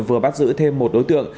vừa bắt giữ thêm một đối tượng